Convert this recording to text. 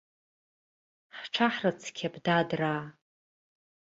Ҳҽаҳрыцқьап, дадраа.